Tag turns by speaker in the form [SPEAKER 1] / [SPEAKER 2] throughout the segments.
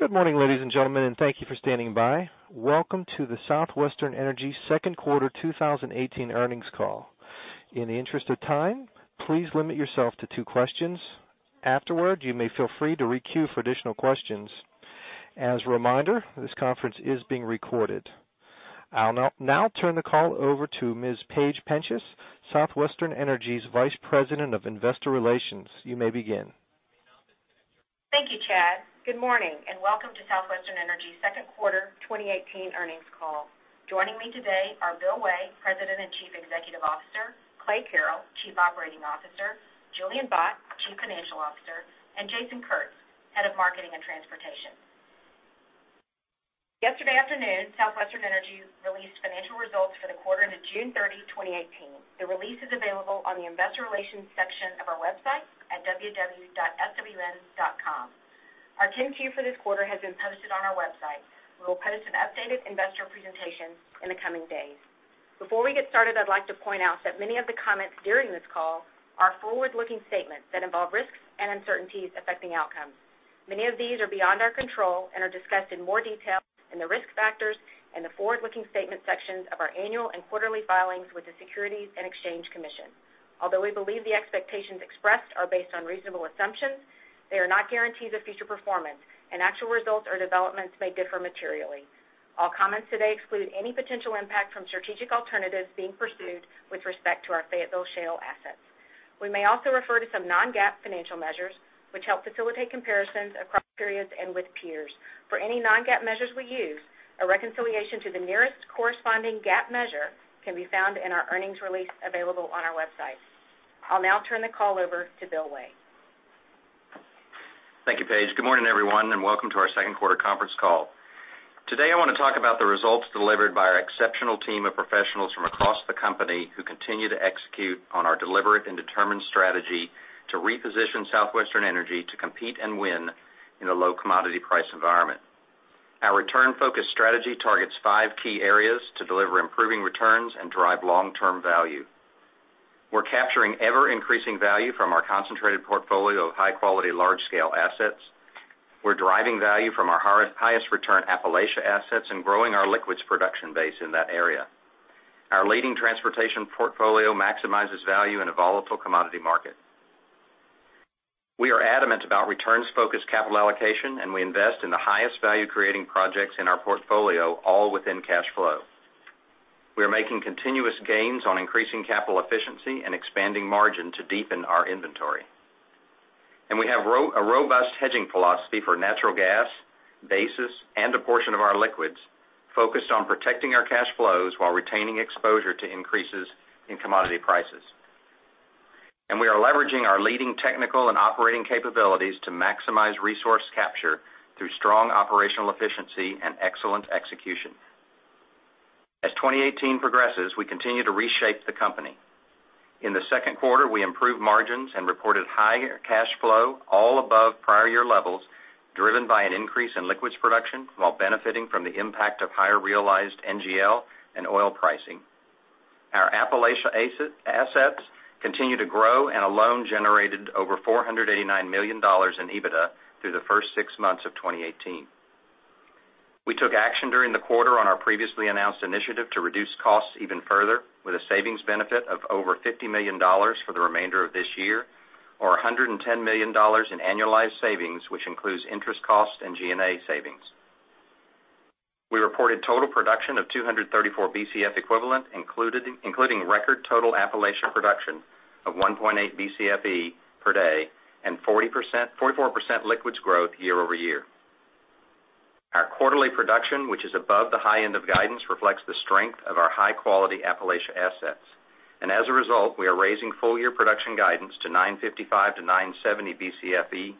[SPEAKER 1] Good morning, ladies and gentlemen, and thank you for standing by. Welcome to the Southwestern Energy second quarter 2018 earnings call. In the interest of time, please limit yourself to two questions. Afterwards, you may feel free to re-queue for additional questions. As a reminder, this conference is being recorded. I'll now turn the call over to Ms. Paige Penchas, Southwestern Energy's Vice President of Investor Relations. You may begin.
[SPEAKER 2] Thank you, Chad. Good morning and welcome to Southwestern Energy second quarter 2018 earnings call. Joining me today are Bill Way, President and Chief Executive Officer, Clay Carrell, Chief Operating Officer, Julian Bott, Chief Financial Officer, and Jason Kurtz, Head of Marketing and Transportation. Yesterday afternoon, Southwestern Energy released financial results for the quarter to June 30, 2018. The release is available on the investor relations section of our website at www.swn.com. Our 10-Q for this quarter has been posted on our website. We will post an updated investor presentation in the coming days. Before we get started, I'd like to point out that many of the comments during this call are forward-looking statements that involve risks and uncertainties affecting outcomes. Many of these are beyond our control and are discussed in more detail in the risk factors and the forward-looking statement sections of our annual and quarterly filings with the Securities and Exchange Commission. Although we believe the expectations expressed are based on reasonable assumptions, they are not guarantees of future performance, and actual results or developments may differ materially. All comments today exclude any potential impact from strategic alternatives being pursued with respect to our Fayetteville Shale assets. We may also refer to some non-GAAP financial measures which help facilitate comparisons across periods and with peers. For any non-GAAP measures we use, a reconciliation to the nearest corresponding GAAP measure can be found in our earnings release available on our website. I'll now turn the call over to Bill Way.
[SPEAKER 3] Thank you, Paige. Good morning, everyone, and welcome to our second quarter conference call. Today, I want to talk about the results delivered by our exceptional team of professionals from across the company who continue to execute on our deliberate and determined strategy to reposition Southwestern Energy to compete and win in a low commodity price environment. Our return focus strategy targets five key areas to deliver improving returns and drive long-term value. We're capturing ever-increasing value from our concentrated portfolio of high-quality, large-scale assets. We're deriving value from our highest return Appalachia assets and growing our liquids production base in that area. Our leading transportation portfolio maximizes value in a volatile commodity market. We are adamant about returns-focused capital allocation, and we invest in the highest value-creating projects in our portfolio, all within cash flow. We are making continuous gains on increasing capital efficiency and expanding margin to deepen our inventory. We have a robust hedging philosophy for natural gas, bases, and a portion of our liquids focused on protecting our cash flows while retaining exposure to increases in commodity prices. We are leveraging our leading technical and operating capabilities to maximize resource capture through strong operational efficiency and excellent execution. As 2018 progresses, we continue to reshape the company. In the second quarter, we improved margins and reported higher cash flow all above prior year levels, driven by an increase in liquids production while benefiting from the impact of higher realized NGL and oil pricing. Our Appalachia assets continue to grow and alone generated over $489 million in EBITDA through the first six months of 2018. We took action during the quarter on our previously announced initiative to reduce costs even further with a savings benefit of over $50 million for the remainder of this year, or $110 million in annualized savings, which includes interest costs and G&A savings. We reported total production of 234 Bcf equivalent, including record total Appalachian production of 1.8 Bcfe per day and 44% liquids growth year-over-year. Our quarterly production, which is above the high end of guidance, reflects the strength of our high-quality Appalachia assets. As a result, we are raising full year production guidance to 955 to 970 Bcfe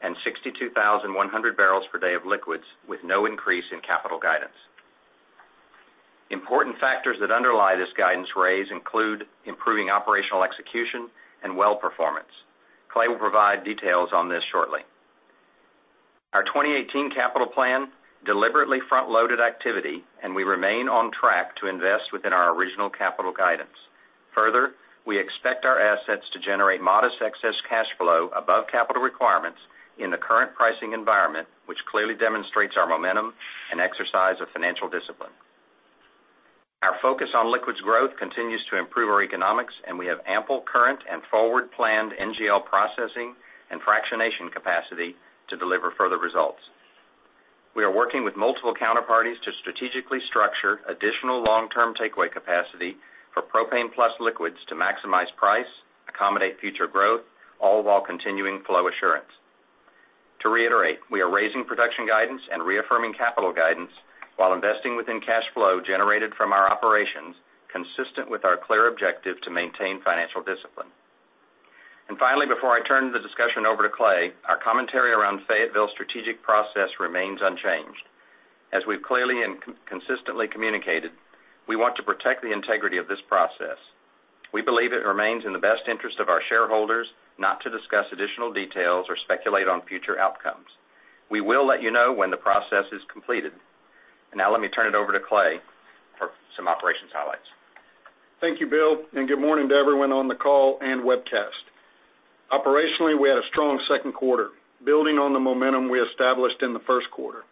[SPEAKER 3] and 62,100 barrels per day of liquids with no increase in capital guidance. Important factors that underlie this guidance raise include improving operational execution and well performance. Clay will provide details on this shortly. Our 2018 capital plan deliberately front-loaded activity. We remain on track to invest within our original capital guidance. Further, we expect our assets to generate modest excess cash flow above capital requirements in the current pricing environment, which clearly demonstrates our momentum and exercise of financial discipline. Our focus on liquids growth continues to improve our economics. We have ample current and forward-planned NGL processing and fractionation capacity to deliver further results. We are working with multiple counterparties to strategically structure additional long-term takeaway capacity for propane plus liquids to maximize price, accommodate future growth, all while continuing flow assurance. To reiterate, we are raising production guidance and reaffirming capital guidance while investing within cash flow generated from our operations, consistent with our clear objective to maintain financial discipline. Finally, before I turn the discussion over to Clay, our commentary around Fayetteville strategic process remains unchanged. As we've clearly and consistently communicated, we want to protect the integrity of this process. We believe it remains in the best interest of our shareholders not to discuss additional details or speculate on future outcomes. We will let you know when the process is completed. Let me turn it over to Clay for some operational updates.
[SPEAKER 4] Thank you, Bill, good morning to everyone on the call and webcast. Operationally, we had a strong second quarter, building on the momentum we established in the first quarter.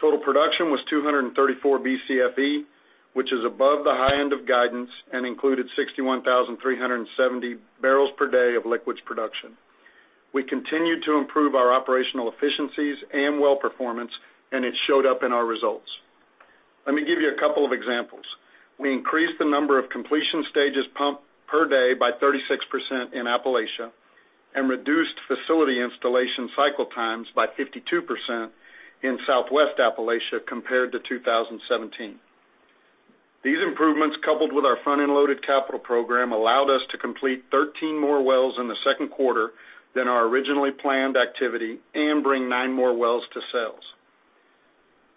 [SPEAKER 4] Total production was 234 Bcfe, which is above the high end of guidance and included 61,370 barrels per day of liquids production. We continued to improve our operational efficiencies and well performance, it showed up in our results. Let me give you a couple of examples. We increased the number of completion stages pumped per day by 36% in Appalachia, reduced facility installation cycle times by 52% in Southwest Appalachia compared to 2017. These improvements, coupled with our front-end loaded capital program, allowed us to complete 13 more wells in the second quarter than our originally planned activity and bring nine more wells to sales.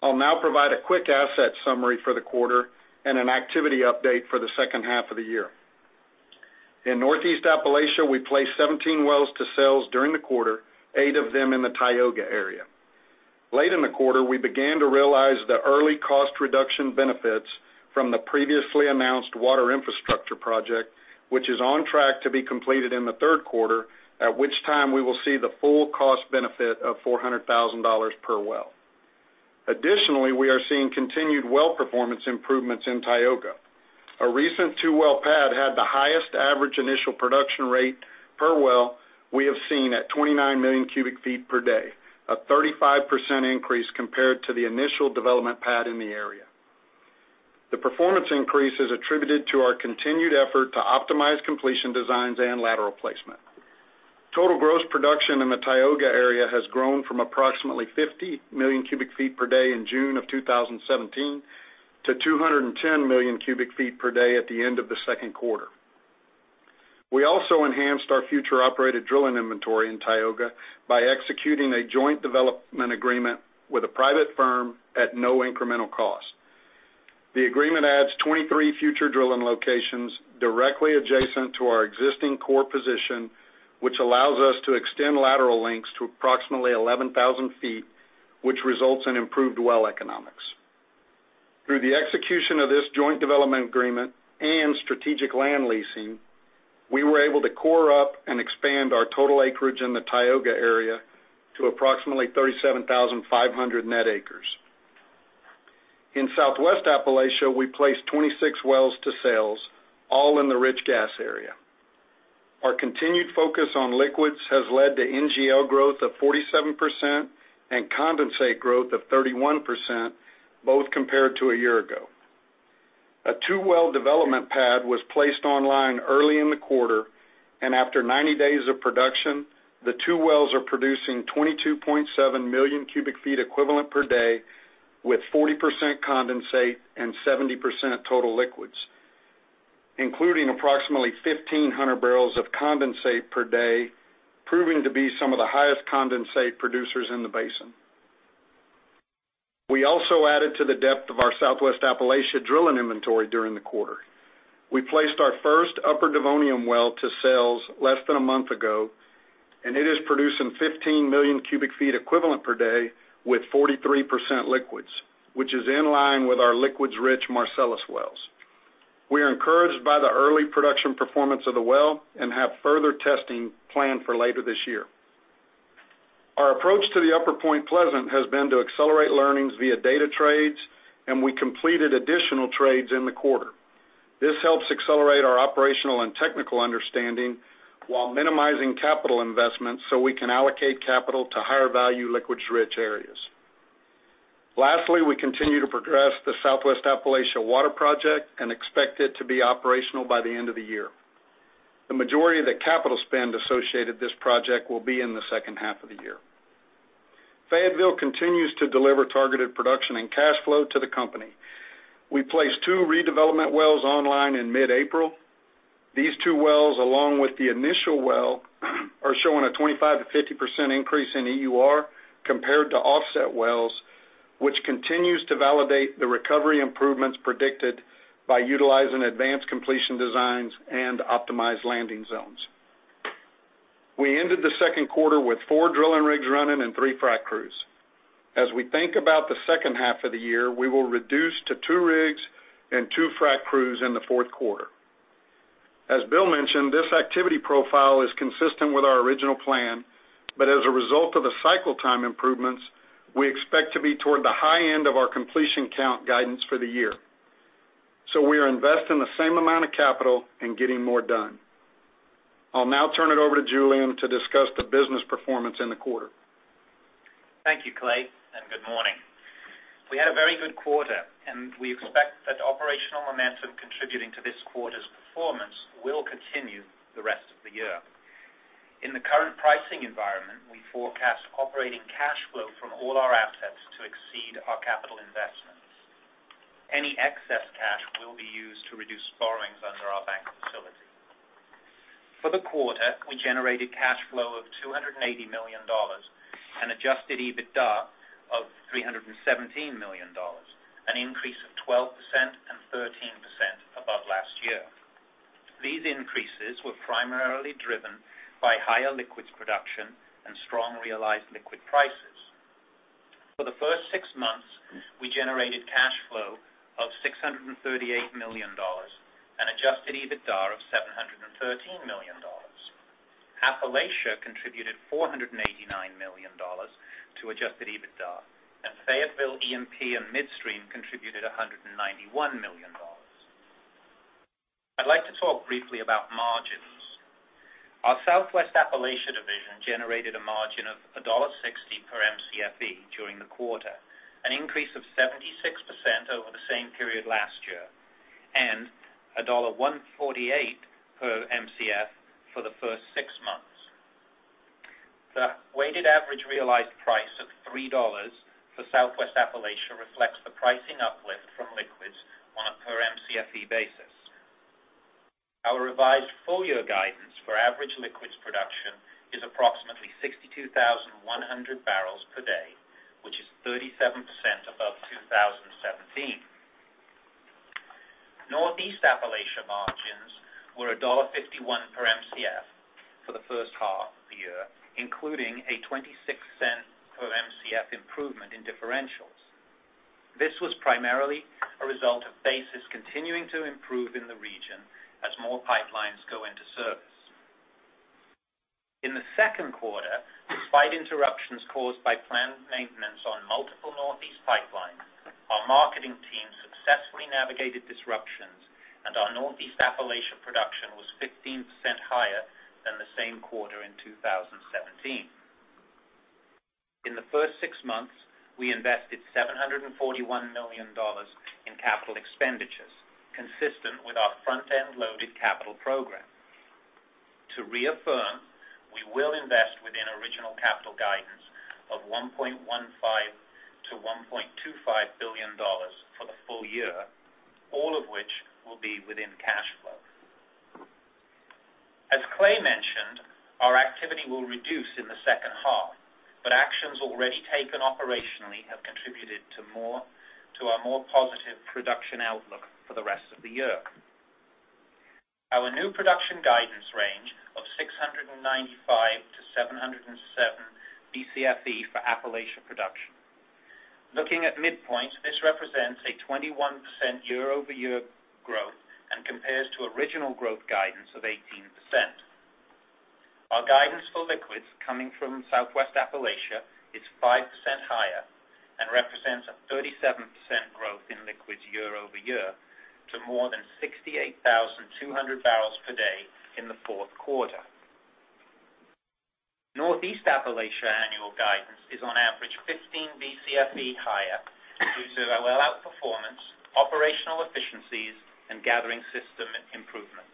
[SPEAKER 4] I'll now provide a quick asset summary for the quarter and an activity update for the second half of the year. In Northeast Appalachia, we placed 17 wells to sales during the quarter, eight of them in the Tioga area. Late in the quarter, we began to realize the early cost reduction benefits from the previously announced water infrastructure project, which is on track to be completed in the third quarter, at which time we will see the full cost benefit of $400,000 per well. Additionally, we are seeing continued well performance improvements in Tioga. A recent two-well pad had the highest average initial production rate per well we have seen at 29 million cubic feet per day, a 35% increase compared to the initial development pad in the area. The performance increase is attributed to our continued effort to optimize completion designs and lateral placement. Total gross production in the Tioga area has grown from approximately 50 million cubic feet per day in June of 2017 to 210 million cubic feet per day at the end of the second quarter. We also enhanced our future operated drilling inventory in Tioga by executing a joint development agreement with a private firm at no incremental cost. The agreement adds 23 future drilling locations directly adjacent to our existing core position, which allows us to extend lateral lengths to approximately 11,000 feet, which results in improved well economics. Through the execution of this joint development agreement and strategic land leasing, we were able to core up and expand our total acreage in the Tioga area to approximately 37,500 net acres. In Southwest Appalachia, we placed 26 wells to sales, all in the rich gas area. Our continued focus on liquids has led to NGL growth of 47% and condensate growth of 31%, both compared to a year ago. A two-well development pad was placed online early in the quarter, and after 90 days of production, the two wells are producing 22.7 million cubic feet equivalent per day with 40% condensate and 70% total liquids, including approximately 1,500 barrels of condensate per day, proving to be some of the highest condensate producers in the basin. We also added to the depth of our Southwest Appalachia drilling inventory during the quarter. We placed our first Upper Devonian well to sales less than a month ago, it is producing 15 million cubic feet equivalent per day with 43% liquids, which is in line with our liquids-rich Marcellus wells. We are encouraged by the early production performance of the well and have further testing planned for later this year. Our approach to the Upper Point Pleasant has been to accelerate learnings via data trades, and we completed additional trades in the quarter. This helps accelerate our operational and technical understanding while minimizing capital investments so we can allocate capital to higher-value, liquids-rich areas. Lastly, we continue to progress the Southwest Appalachia water project and expect it to be operational by the end of the year. The majority of the capital spend associated with this project will be in the second half of the year. Fayetteville continues to deliver targeted production and cash flow to the company. We placed two redevelopment wells online in mid-April. These two wells, along with the initial well, are showing a 25%-50% increase in EUR compared to offset wells, which continues to validate the recovery improvements predicted by utilizing advanced completion designs and optimized landing zones. We ended the second quarter with four drilling rigs running and three frac crews. As we think about the second half of the year, we will reduce to two rigs and two frac crews in the fourth quarter. As Bill mentioned, this activity profile is consistent with our original plan, but as a result of the cycle time improvements, we expect to be toward the high end of our completion count guidance for the year. We are investing the same amount of capital and getting more done. I'll now turn it over to Julian to discuss the business performance in the quarter.
[SPEAKER 5] Thank you, Clay, and good morning. We had a very good quarter, and we expect that the operational momentum contributing to this quarter's performance will continue the rest of the year. In the current pricing environment, we forecast operating cash flow from all our assets to exceed our capital investments. Any excess cash will be used to reduce borrowings under our bank facility. For the quarter, we generated cash flow of $280 million and adjusted EBITDA of $317 million, an increase of 12% and 13% above last year. These increases were primarily driven by higher liquids production and strong realized liquid prices. For the first six months, we generated cash flow of $638 million and adjusted EBITDA of $713 million. Appalachia contributed $489 million to adjusted EBITDA, and Fayetteville, E&P, and midstream contributed $191 million. I'd like to talk briefly about margins. Our Southwest Appalachia division generated a margin of $1.60 per Mcfe during the quarter, an increase of 76% over the same period last year, and $1.148 per Mcf for the first six months. The weighted average realized price of $3 for Southwest Appalachia reflects the pricing uplift from liquids on a per Mcfe basis. Our revised full-year guidance for average liquids production is approximately 62,100 barrels per day, which is 37% above 2017. Northeast Appalachia margins were $1.51 per Mcf for the first half of the year, including a $0.26 per Mcf improvement in differentials. This was primarily a result of basis continuing to improve in the region as more pipelines go into service. In the second quarter, despite interruptions caused by planned maintenance on multiple Northeast pipelines, our marketing team successfully navigated disruptions and our Northeast Appalachia production was 15% higher than the same quarter in 2017. In the first six months, we invested $741 million in capital expenditures, consistent with our front-end-loaded capital program. To reaffirm, we will invest within original capital guidance of $1.15 billion-$1.25 billion for the full year, all of which will be within cash flow. As Clay mentioned, our activity will reduce in the second half, but actions already taken operationally have contributed to our more positive production outlook for the rest of the year. Our new production guidance range of 695-707 Bcfe for Appalachia production. Looking at midpoints, this represents a 21% year-over-year growth and compares to original growth guidance of 18%. Our guidance for liquids coming from Southwest Appalachia is 5% higher and represents a 37% growth in liquids year-over-year to more than 68,200 barrels per day in the fourth quarter. Northeast Appalachia annual guidance is on average 15 Bcfe higher due to well outperformance, operational efficiencies, and gathering system improvements.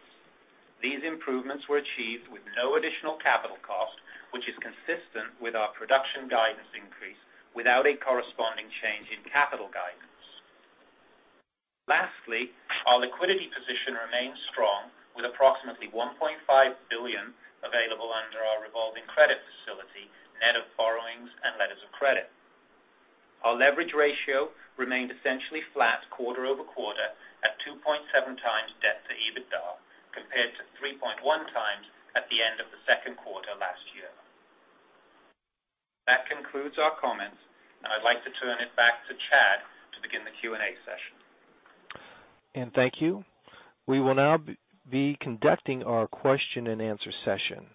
[SPEAKER 5] These improvements were achieved with no additional capital cost, which is consistent with our production guidance increase without a corresponding change in capital guidance. Lastly, our liquidity position remains strong with approximately $1.5 billion available under our revolving credit facility, net of borrowings and letters of credit. Our leverage ratio remained essentially flat quarter-over-quarter at 2.7 times debt to EBITDA, compared to 3.1 times at the end of the second quarter last year. That concludes our comments, and I'd like to turn it back to Chad to begin the Q&A session.
[SPEAKER 1] Thank you. We will now be conducting our question and answer session.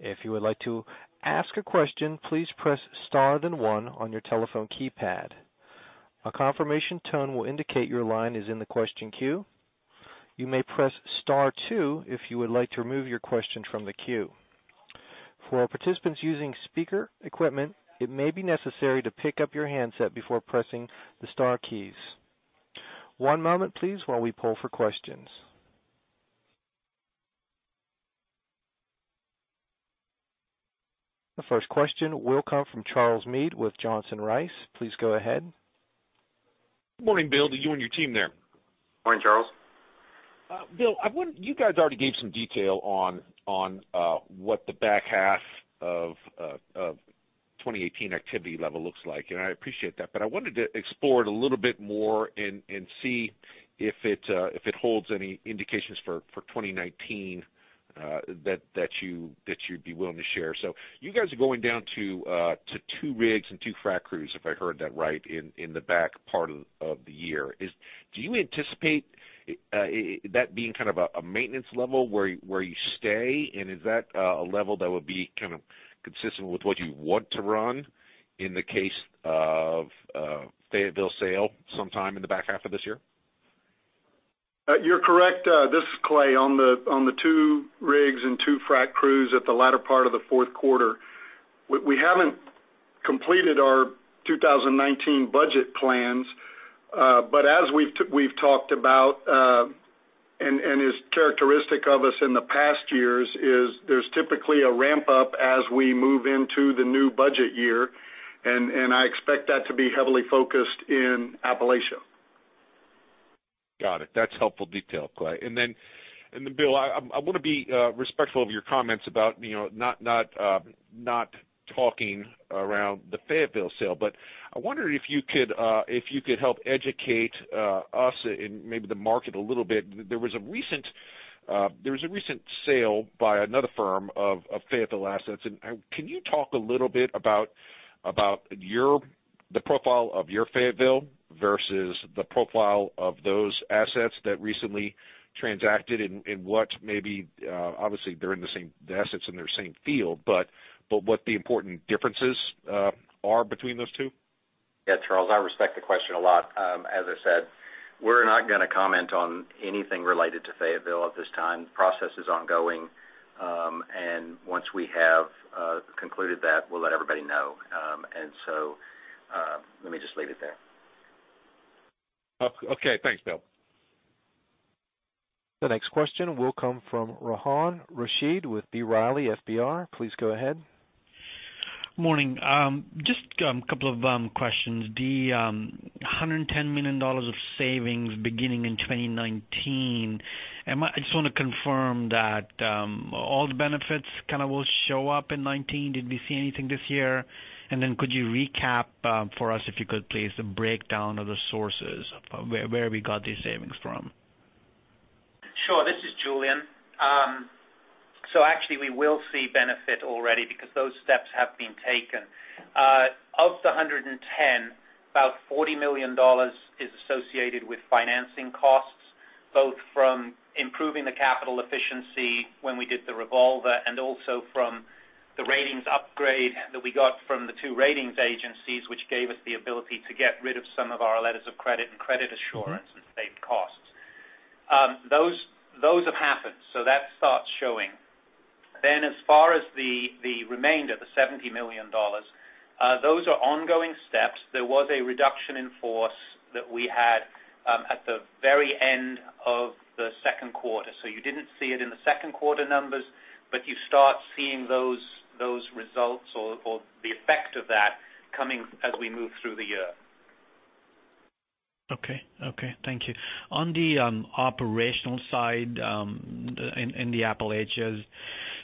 [SPEAKER 1] If you would like to ask a question, please press star then one on your telephone keypad. A confirmation tone will indicate your line is in the question queue. You may press star two if you would like to remove your question from the queue. For our participants using speaker equipment, it may be necessary to pick up your handset before pressing the star keys. One moment, please, while we poll for questions. The first question will come from Charles Meade with Johnson Rice. Please go ahead.
[SPEAKER 6] Good morning, Bill. To you and your team there.
[SPEAKER 5] Morning, Charles.
[SPEAKER 6] Bill, you guys already gave some detail on what the back half of 2018 activity level looks like. I appreciate that, but I wanted to explore it a little bit more and see if it holds any indications for 2019 that you'd be willing to share. You guys are going down to two rigs and two frac crews, if I heard that right, in the back part of the year. Do you anticipate that being kind of a maintenance level where you stay, and is that a level that would be kind of consistent with what you want to run in the case of Fayetteville sale sometime in the back half of this year?
[SPEAKER 4] You're correct. This is Clay. On the two rigs and two frac crews at the latter part of the fourth quarter, we haven't completed our 2019 budget plans. As we've talked about, and is characteristic of us in the past years, there's typically a ramp-up as we move into the new budget year, and I expect that to be heavily focused in Appalachia.
[SPEAKER 6] Got it. That's helpful detail, Clay. Bill, I want to be respectful of your comments about not talking around the Fayetteville sale. I wonder if you could help educate us and maybe the market a little bit. There was a recent sale by another firm of Fayetteville assets. Can you talk a little bit about the profile of your Fayetteville versus the profile of those assets that recently transacted and obviously, the assets in their same field, what the important differences are between those two?
[SPEAKER 3] Yeah, Charles, I respect the question a lot. As I said, we're not going to comment on anything related to Fayetteville at this time. Process is ongoing. Once we have concluded that, we'll let everybody know. Let me just leave it there.
[SPEAKER 6] Okay. Thanks, Bill.
[SPEAKER 1] The next question will come from Rehan Rashid with B. Riley FBR. Please go ahead.
[SPEAKER 7] Morning. Just a couple of questions. The $110 million of savings beginning in 2019, I just want to confirm that all the benefits kind of will show up in 2019. Did we see anything this year? Could you recap for us, if you could please, the breakdown of the sources of where we got these savings from?
[SPEAKER 5] Sure. This is Julian. Actually, we will see benefit already because those steps have been taken. Of the $110 million, about $40 million is associated with financing costs, both from improving the capital efficiency when we did the revolver, and also from the ratings upgrade that we got from the two ratings agencies, which gave us the ability to get rid of some of our letters of credit and credit assurance and save costs. Those have happened, so that starts showing. As far as the remainder, the $70 million, those are ongoing steps. There was a reduction in force that we had at the very end of the second quarter. You didn't see it in the second quarter numbers, but you start seeing those results or the effect of that coming as we move through the year.
[SPEAKER 7] Okay. Thank you. On the operational side in the Appalachia,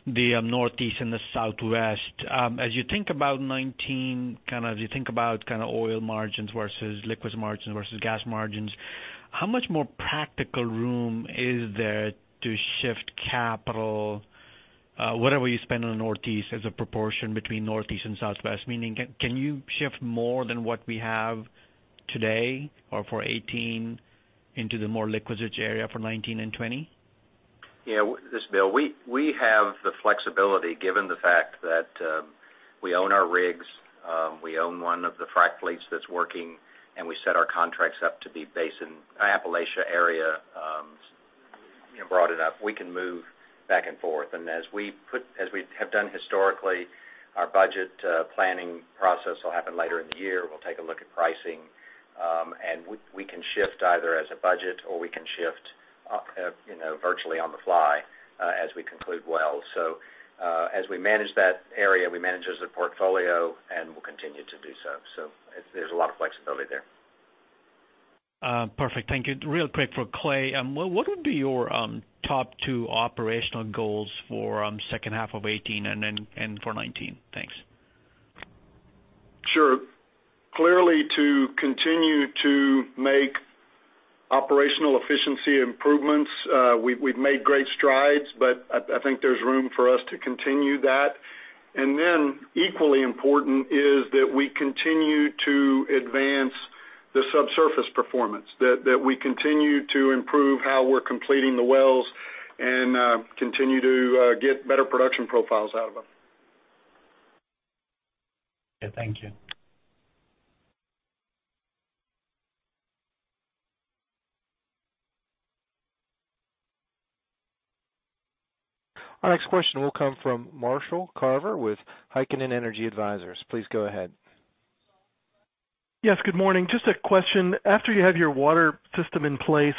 [SPEAKER 7] the Northeast, and the Southwest, as you think about '19, as you think about oil margins versus liquids margins versus gas margins, how much more practical room is there to shift capital, whatever you spend on the Northeast as a proportion between Northeast and Southwest? Meaning, can you shift more than what we have today or for '18 into the more liquids rich area for '19 and '20?
[SPEAKER 3] Yeah, this is Bill. We have the flexibility given the fact that we own our rigs, we own one of the frac fleets that's working, and we set our contracts up to be basin. Appalachia area is broad enough. We can move back and forth. As we have done historically, our budget planning process will happen later in the year. We'll take a look at pricing, and we can shift either as a budget or we can shift virtually on the fly as we conclude wells. As we manage that area, we manage as a portfolio, and we'll continue to do so. There's a lot of flexibility there.
[SPEAKER 7] Perfect. Thank you. Real quick for Clay. What would be your top two operational goals for second half of '18 and for '19? Thanks.
[SPEAKER 4] Sure. Clearly, to continue to make operational efficiency improvements. We've made great strides, I think there's room for us to continue that. Equally important is that we continue to advance the subsurface performance. We continue to improve how we're completing the wells and continue to get better production profiles out of them.
[SPEAKER 7] Okay. Thank you.
[SPEAKER 1] Our next question will come from Marshall Carver with Heikkinen Energy Advisors. Please go ahead.
[SPEAKER 8] Yes, good morning. Just a question. After you have your water system in place,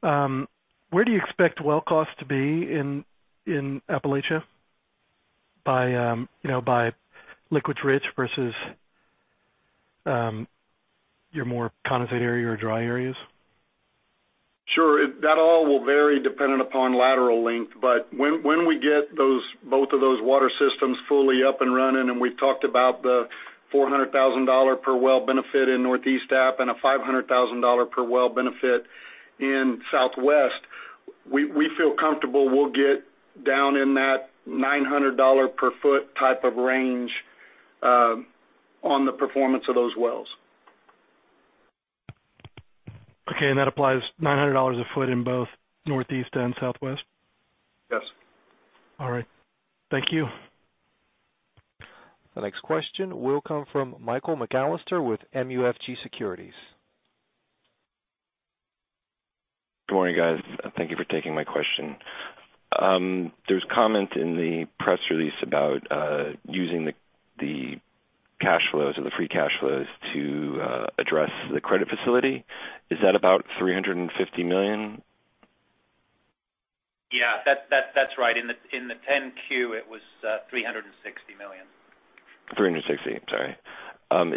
[SPEAKER 8] where do you expect well cost to be in Appalachia by liquids rich versus your more condensate area or dry areas?
[SPEAKER 4] Sure. That all will vary dependent upon lateral length. When we get both of those water systems fully up and running, and we've talked about the $400,000 per well benefit in Northeast App and a $500,000 per well benefit in Southwest, we feel comfortable we'll get down in that $900 per foot type of range on the performance of those wells.
[SPEAKER 8] That applies $900 a foot in both Northeast and Southwest?
[SPEAKER 4] Yes.
[SPEAKER 8] All right. Thank you.
[SPEAKER 1] The next question will come from Michael McAllister with MUFG Securities.
[SPEAKER 9] Good morning, guys. Thank you for taking my question. There's comment in the press release about using the cash flows or the free cash flows to address the credit facility. Is that about $350 million?
[SPEAKER 5] Yeah. That's right. In the 10-Q, it was $360 million.
[SPEAKER 9] $360. Sorry.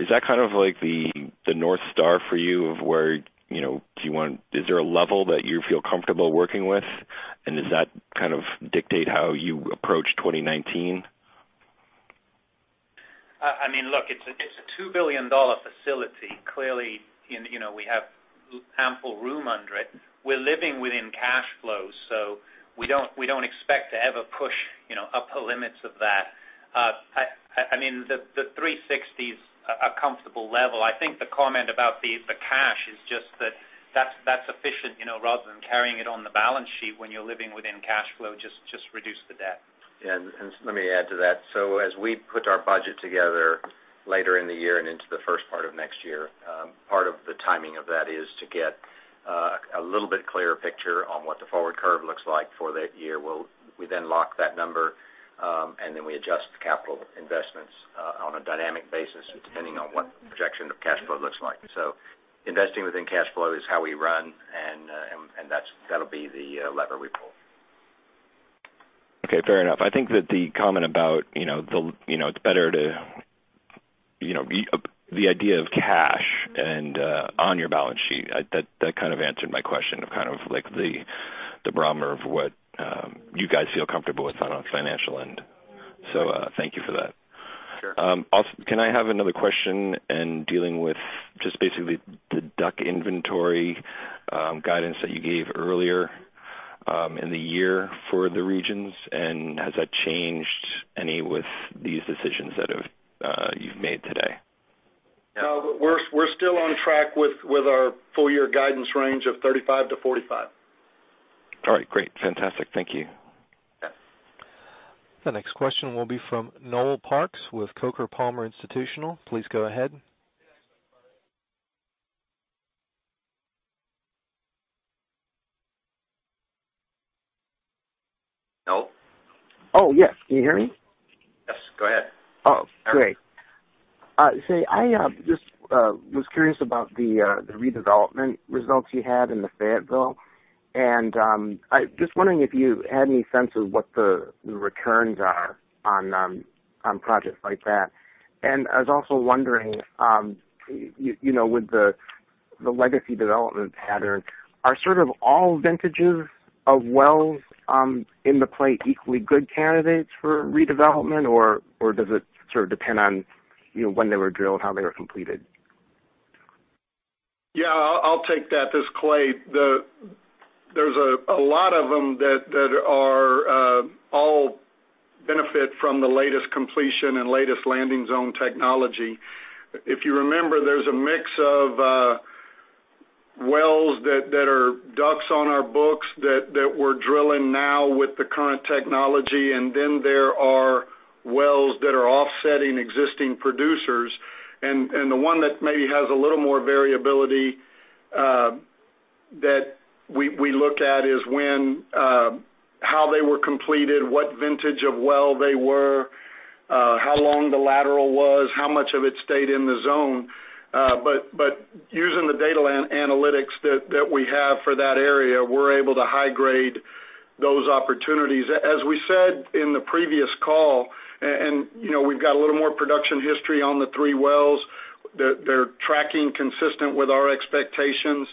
[SPEAKER 9] Is that kind of like the North Star for you? Is there a level that you feel comfortable working with? Does that kind of dictate how you approach 2019?
[SPEAKER 5] Look, it's a $2 billion facility. Clearly, we have ample room under it. We're living within cash flows, so we don't expect to ever push upper limits of that. The $360 is a comfortable level. I think the comment about the cash is just that that's efficient, rather than carrying it on the balance sheet when you're living within cash flow, just reduce the debt.
[SPEAKER 3] Yeah. Let me add to that. As we put our budget together later in the year and into the first part of next year, part of the timing of that is to get a little bit clearer picture on what the forward curve looks like for that year. We then lock that number, and then we adjust the capital investments on a dynamic basis, depending on what the projection of cash flow looks like. Investing within cash flow is how we run, and that'll be the lever we pull.
[SPEAKER 9] Okay, fair enough. I think that the comment about it's better to the idea of cash and on your balance sheet, that kind of answered my question of kind of like the barometer of what you guys feel comfortable with on a financial end. Thank you for that.
[SPEAKER 3] Sure.
[SPEAKER 9] Can I have another question in dealing with just basically the DUC inventory guidance that you gave earlier in the year for the regions? Has that changed any with these decisions that you've made today?
[SPEAKER 4] No, we're still on track with our full-year guidance range of 35-45.
[SPEAKER 9] All right, great. Fantastic. Thank you.
[SPEAKER 3] Yeah.
[SPEAKER 1] The next question will be from Noel Parks with Coker & Palmer Institutional. Please go ahead.
[SPEAKER 5] Noel?
[SPEAKER 10] Oh, yes. Can you hear me?
[SPEAKER 5] Yes, go ahead.
[SPEAKER 10] Oh, great. Say, I just was curious about the redevelopment results you had in the Fayetteville. I'm just wondering if you had any sense of what the returns are on projects like that. I was also wondering, with the legacy development pattern, are sort of all vintages of wells in the play equally good candidates for redevelopment, or does it sort of depend on when they were drilled, how they were completed?
[SPEAKER 4] Yeah, I'll take that. This is Clay. There's a lot of them that all benefit from the latest completion and latest landing zone technology. If you remember, there's a mix of wells that are DUCs on our books that we're drilling now with the current technology, then there are wells that are offsetting existing producers. The one that maybe has a little more variability that we look at is how they were completed, what vintage of well they were, how long the lateral was, how much of it stayed in the zone. Using the data analytics that we have for that area, we're able to high grade those opportunities. As we said in the previous call, and we've got a little more production history on the three wells. They're tracking consistent with our expectations.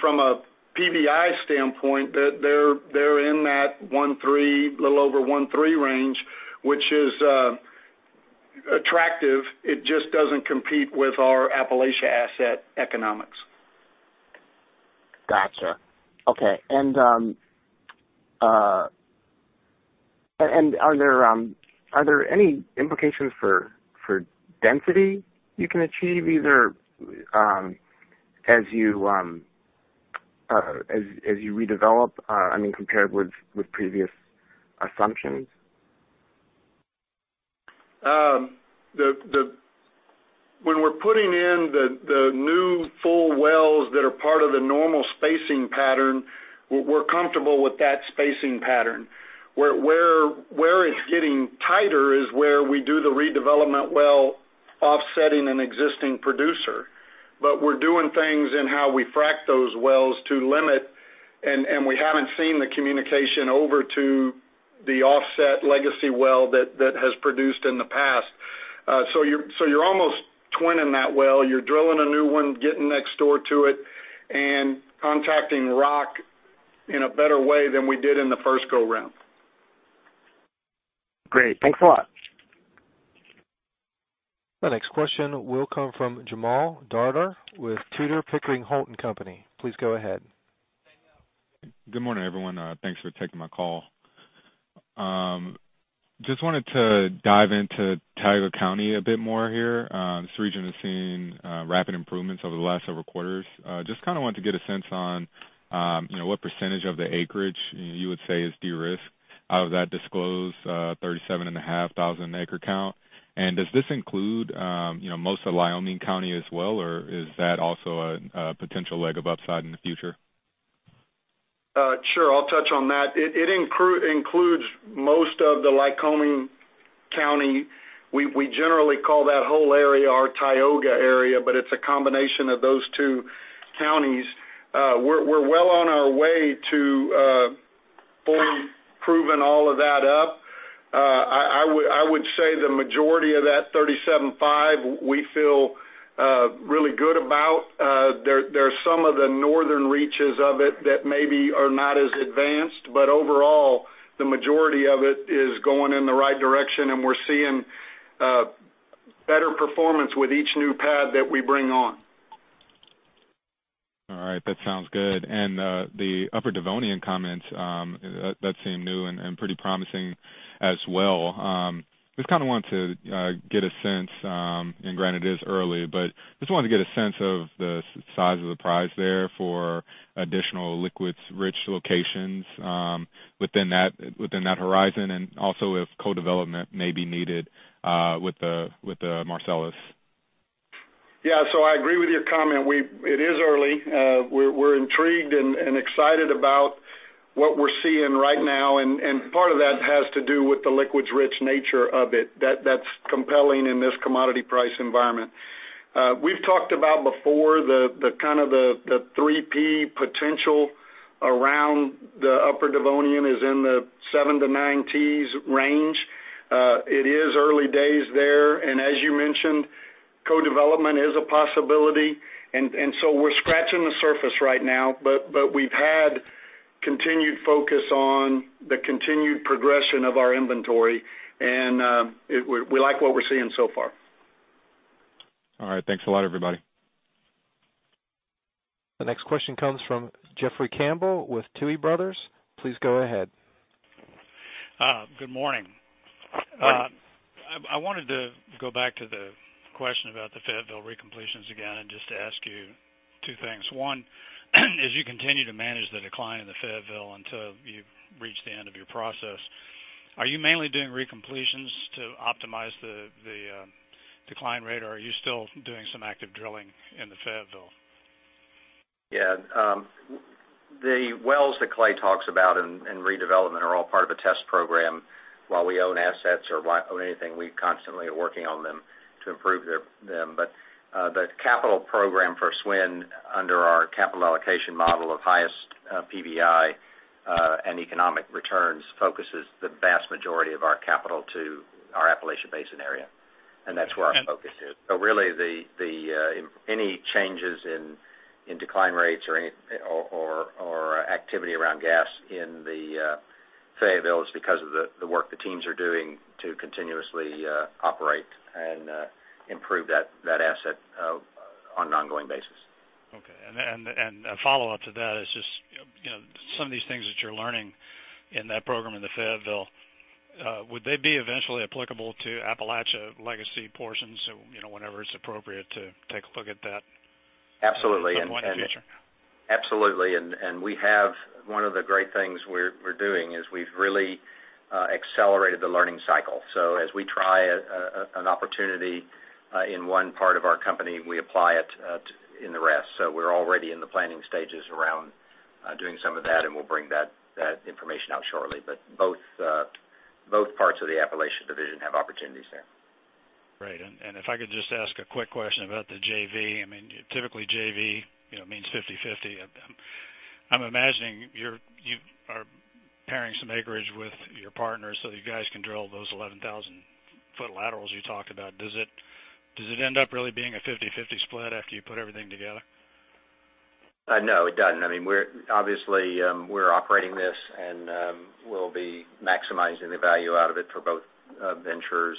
[SPEAKER 4] From a PVI standpoint, they're in that 1.3, little over 1.3 range, which is attractive. It just doesn't compete with our Appalachia asset economics.
[SPEAKER 10] Gotcha. Okay. Are there any implications for density you can achieve either as you redevelop, I mean, compared with previous assumptions?
[SPEAKER 4] When we're putting in the new full wells that are part of the normal spacing pattern, we're comfortable with that spacing pattern. Where it's getting tighter is where we do the redevelopment well offsetting an existing producer. We're doing things in how we frack those wells to limit, and we haven't seen the communication over to the offset legacy well that has produced in the past. You're almost twinning that well. You're drilling a new one, getting next door to it, and contacting rock in a better way than we did in the first go-round.
[SPEAKER 10] Great. Thanks a lot.
[SPEAKER 1] The next question will come from Sameer Panjwani with Tudor, Pickering, Holt & Co. Please go ahead.
[SPEAKER 11] Good morning, everyone. Thanks for taking my call. Just wanted to dive into Tioga County a bit more here. This region has seen rapid improvements over the last several quarters. Just kind of want to get a sense on what percentage of the acreage you would say is de-risked out of that disclosed 37,500 acre count. Does this include most of Lycoming County as well, or is that also a potential leg of upside in the future?
[SPEAKER 4] Sure. I'll touch on that. It includes most of the Lycoming County. We generally call that whole area our Tioga area, but it's a combination of those two counties. We're well on our way to fully proving all of that up. I would say the majority of that 37.5, we feel really good about. There are some of the northern reaches of it that maybe are not as advanced, but overall, the majority of it is going in the right direction, and we're seeing better performance with each new pad that we bring on.
[SPEAKER 11] All right, that sounds good. The Upper Devonian comments, that seemed new and pretty promising as well. Just want to get a sense, and granted it is early, but just wanted to get a sense of the size of the prize there for additional liquids-rich locations within that horizon, and also if co-development may be needed with the Marcellus.
[SPEAKER 4] Yeah. I agree with your comment. It is early. We're intrigued and excited about what we're seeing right now, and part of that has to do with the liquids-rich nature of it. That's compelling in this commodity price environment. We've talked about before the 3P potential around the Upper Devonian is in the seven to nine T's range. It is early days there, and as you mentioned, co-development is a possibility. We're scratching the surface right now, but we've had continued focus on the continued progression of our inventory, and we like what we're seeing so far.
[SPEAKER 11] All right. Thanks a lot, everybody.
[SPEAKER 1] The next question comes from Jeffrey Campbell with Tuohy Brothers. Please go ahead.
[SPEAKER 12] Good morning. I wanted to go back to the question about the Fayetteville recompletions again and just ask you two things. One, as you continue to manage the decline in the Fayetteville until you've reached the end of your process, are you mainly doing recompletions to optimize the decline rate, or are you still doing some active drilling in the Fayetteville?
[SPEAKER 3] Yeah. The wells that Clay talks about in redevelopment are all part of a test program. While we own assets or own anything, we constantly are working on them to improve them. The capital program for SWN under our capital allocation model of highest PVI and economic returns, focuses the vast majority of our capital to our Appalachian Basin area, and that's where our focus is. Really any changes in decline rates or activity around gas in the Fayetteville is because of the work the teams are doing to continuously operate and improve that asset on an ongoing basis.
[SPEAKER 12] Okay. A follow-up to that is just some of these things that you're learning in that program in the Fayetteville, would they be eventually applicable to Appalachia legacy portions, whenever it's appropriate to take a look at that?
[SPEAKER 3] Absolutely
[SPEAKER 12] at one in the future?
[SPEAKER 3] Absolutely, one of the great things we're doing is we've really accelerated the learning cycle. As we try an opportunity in one part of our company, we apply it in the rest. We're already in the planning stages around doing some of that, and we'll bring that information out shortly. Both parts of the Appalachia division have opportunities there.
[SPEAKER 12] Great. If I could just ask a quick question about the JV. Typically, JV means 50/50. I'm imagining you are pairing some acreage with your partners so you guys can drill those 11,000-foot laterals you talked about. Does it end up really being a 50/50 split after you put everything together?
[SPEAKER 3] No, it doesn't. Obviously, we're operating this, and we'll be maximizing the value out of it for both ventures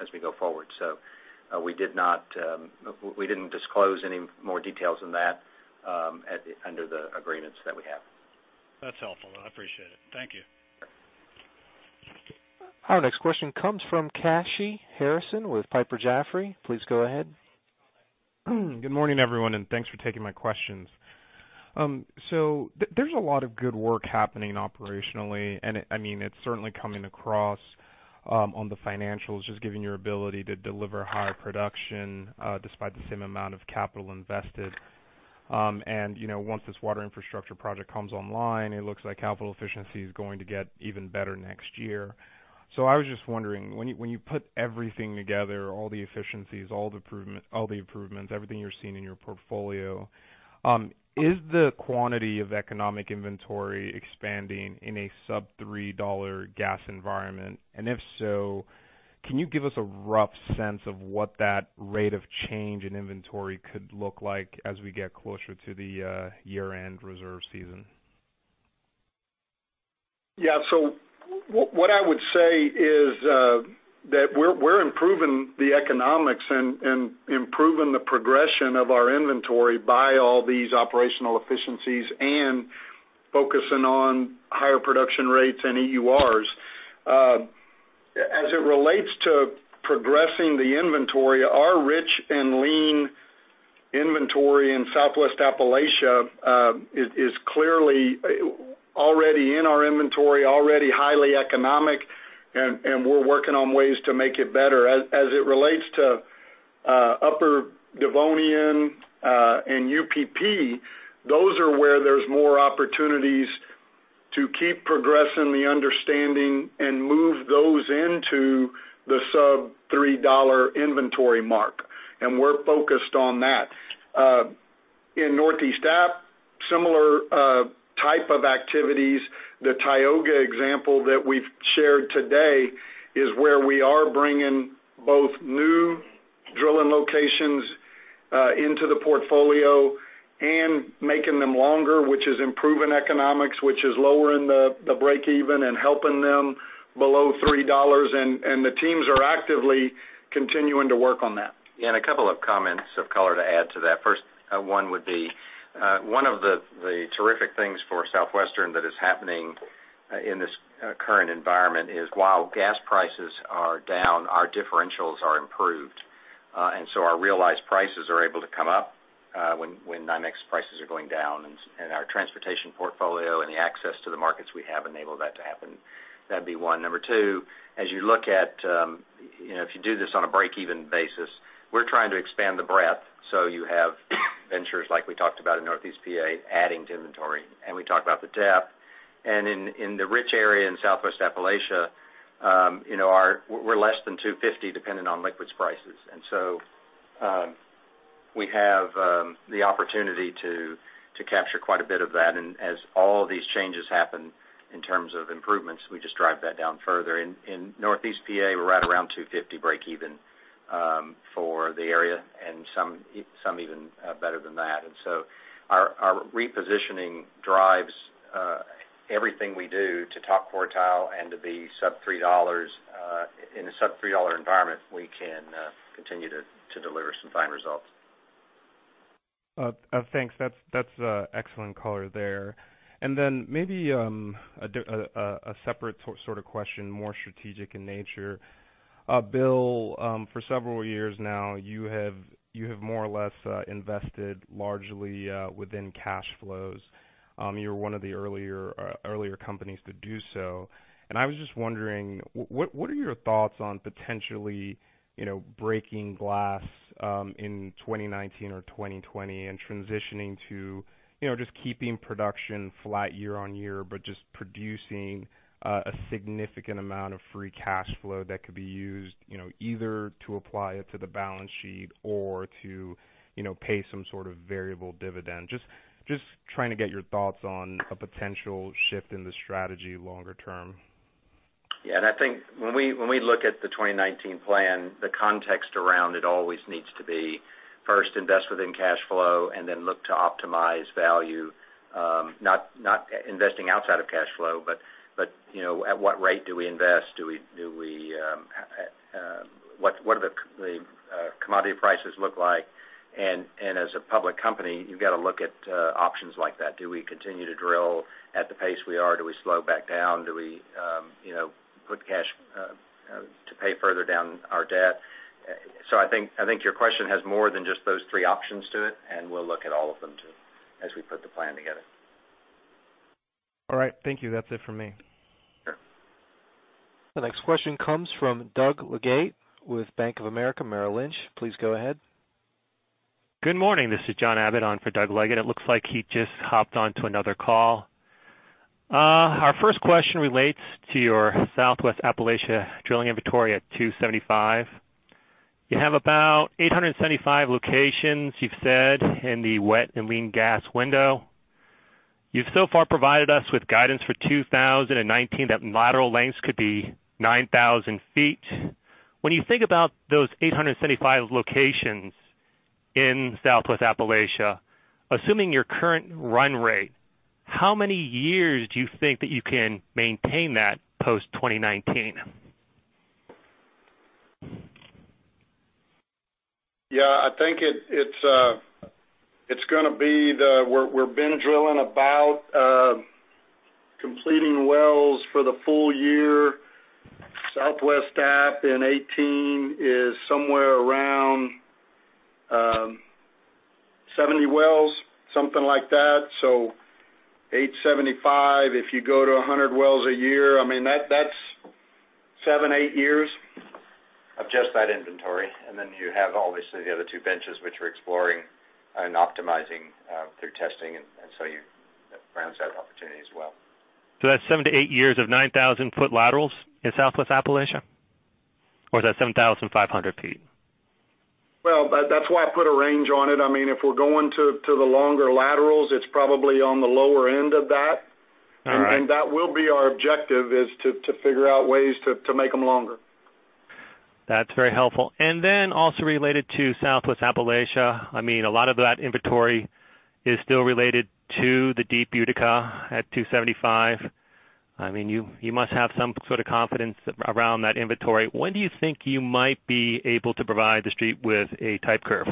[SPEAKER 3] as we go forward. We didn't disclose any more details than that under the agreements that we have.
[SPEAKER 12] That's helpful. I appreciate it. Thank you.
[SPEAKER 1] Our next question comes from Kashy Harrison with Piper Jaffray. Please go ahead.
[SPEAKER 13] Good morning, everyone, and thanks for taking my questions. There's a lot of good work happening operationally, and it's certainly coming across on the financials, just given your ability to deliver high production despite the same amount of capital invested. Once this water infrastructure project comes online, it looks like capital efficiency is going to get even better next year. I was just wondering, when you put everything together, all the efficiencies, all the improvements, everything you're seeing in your portfolio, is the quantity of economic inventory expanding in a sub $3 gas environment? And if so, can you give us a rough sense of what that rate of change in inventory could look like as we get closer to the year-end reserve season?
[SPEAKER 4] Yeah. What I would say is that we're improving the economics and improving the progression of our inventory by all these operational efficiencies and focusing on higher production rates and EURs. As it relates to progressing the inventory, our rich and lean inventory in Southwest Appalachia is clearly already in our inventory, already highly economic, and we're working on ways to make it better. As it relates to Upper Devonian and UPP, those are where there's more opportunities to keep progressing the understanding and move those into the sub $3 inventory mark, and we're focused on that. The Tioga example that we've shared today is where we are bringing both new drilling locations into the portfolio and making them longer, which is improving economics, which is lowering the break even and helping them below $3. The teams are actively continuing to work on that.
[SPEAKER 3] A couple of comments of color to add to that. First one would be one of the terrific things for Southwestern that is happening in this current environment is while gas prices are down, our differentials are improved. Our realized prices are able to come up when NYMEX prices are going down, and our transportation portfolio and the access to the markets we have enable that to happen. That'd be one. Number two, as you look at if you do this on a break-even basis, we're trying to expand the breadth. You have ventures like we talked about in Northeast PA adding to inventory, and we talked about the tap. In the rich area in Southwest Appalachia, we're less than $250 dependent on liquids prices. We have the opportunity to capture quite a bit of that. As all these changes happen in terms of improvements, we just drive that down further. In Northeast PA, we're right around $250 break even for the area and some even better than that. Our repositioning drives everything we do to top quartile and to be sub $3. In a sub $3 environment, we can continue to deliver some fine results.
[SPEAKER 13] Thanks. That's excellent color there. Maybe a separate sort of question, more strategic in nature. Bill, for several years now, you have more or less invested largely within cash flows. You were one of the earlier companies to do so. I was just wondering, what are your thoughts on potentially breaking glass in 2019 or 2020 and transitioning to just keeping production flat year-on-year, but just producing a significant amount of free cash flow that could be used either to apply it to the balance sheet or to pay some sort of variable dividend? Just trying to get your thoughts on a potential shift in the strategy longer term.
[SPEAKER 3] I think when we look at the 2019 plan, the context around it always needs to be first invest within cash flow and then look to optimize value. Not investing outside of cash flow, at what rate do we invest? What do the commodity prices look like? As a public company, you've got to look at options like that. Do we continue to drill at the pace we are? Do we slow back down? Do we put cash to pay further down our debt? I think your question has more than just those three options to it, and we'll look at all of them too as we put the plan together.
[SPEAKER 13] All right. Thank you. That's it for me.
[SPEAKER 3] Sure.
[SPEAKER 1] The next question comes from Doug Leggate with Bank of America Merrill Lynch. Please go ahead.
[SPEAKER 14] Good morning. This is John Abbott on for Doug Leggate. It looks like he just hopped onto another call. Our first question relates to your Southwest Appalachia drilling inventory at 275. You have about 875 locations, you've said, in the wet and lean gas window. You've so far provided us with guidance for 2019 that lateral lengths could be 9,000 feet. When you think about those 875 locations in Southwest Appalachia, assuming your current run rate, how many years do you think that you can maintain that post-2019?
[SPEAKER 4] Yeah, I think it's going to be we've been drilling about completing wells for the full year. Southwest App in 2018 is somewhere around 70 wells, something like that. 875, if you go to 100 wells a year, I mean, that's seven, eight years.
[SPEAKER 3] Of just that inventory. Then you have obviously the other two benches which are exploring and optimizing through testing, so you have upside opportunity as well.
[SPEAKER 14] That's seven to eight years of 9,000-foot laterals in Southwest Appalachia? Is that 7,500 feet?
[SPEAKER 4] Well, that's why I put a range on it. I mean, if we're going to the longer laterals, it's probably on the lower end of that.
[SPEAKER 14] All right.
[SPEAKER 4] That will be our objective is to figure out ways to make them longer.
[SPEAKER 14] That's very helpful. Then also related to Southwest Appalachia, I mean, a lot of that inventory is still related to the deep Utica at 275. I mean, you must have some sort of confidence around that inventory. When do you think you might be able to provide the street with a type curve?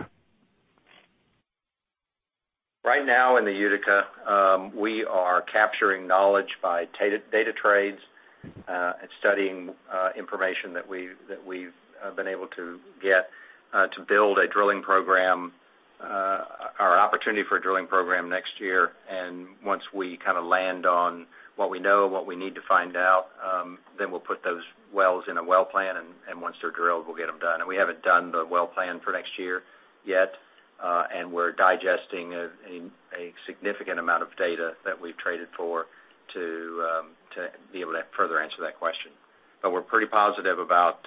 [SPEAKER 3] Right now in the Utica, we are capturing knowledge by data trades and studying information that we've been able to get to build a drilling program, our opportunity for a drilling program next year. Once we land on what we know and what we need to find out, then we'll put those wells in a well plan, and once they're drilled, we'll get them done. We haven't done the well plan for next year yet. We're digesting a significant amount of data that we've traded for to be able to further answer that question. We're pretty positive about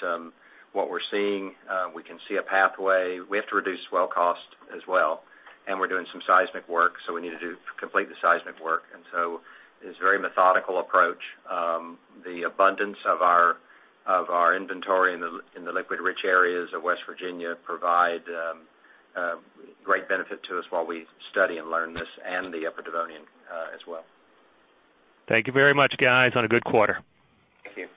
[SPEAKER 3] what we're seeing. We can see a pathway. We have to reduce well cost as well, and we're doing some seismic work, so we need to complete the seismic work. So it's a very methodical approach. The abundance of our inventory in the liquid-rich areas of West Virginia provide great benefit to us while we study and learn this and the Upper Devonian as well.
[SPEAKER 14] Thank you very much, guys, on a good quarter.
[SPEAKER 3] Thank you.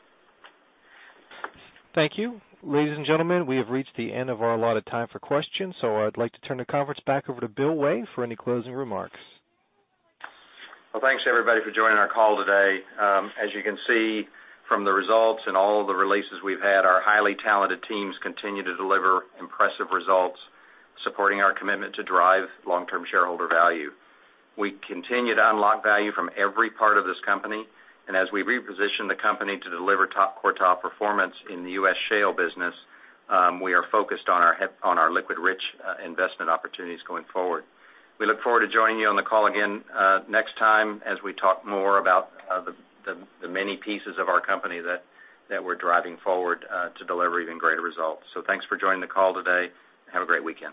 [SPEAKER 1] Thank you. Ladies and gentlemen, we have reached the end of our allotted time for questions. I'd like to turn the conference back over to Bill Way for any closing remarks.
[SPEAKER 3] Well, thanks everybody for joining our call today. As you can see from the results and all of the releases we've had, our highly talented teams continue to deliver impressive results, supporting our commitment to drive long-term shareholder value. We continue to unlock value from every part of this company, and as we reposition the company to deliver top quartile performance in the U.S. shale business, we are focused on our liquid-rich investment opportunities going forward. We look forward to joining you on the call again next time as we talk more about the many pieces of our company that we're driving forward to deliver even greater results. Thanks for joining the call today. Have a great weekend.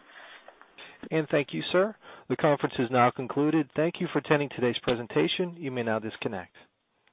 [SPEAKER 1] Thank you, sir. The conference is now concluded. Thank you for attending today's presentation. You may now disconnect.